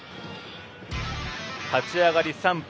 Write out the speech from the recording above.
立ち上がり、３分。